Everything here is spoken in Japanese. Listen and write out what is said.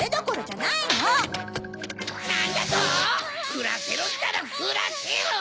ふらせろったらふらせろ！